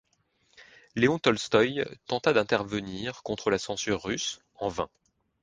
Léon Tolstoï tenta d'intervenir contre la censure russe, en vain.